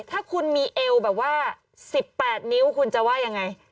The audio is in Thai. ถ้าคุณมีเอวแบบว่า๑๘นิ้วคุณจะว่ายังไง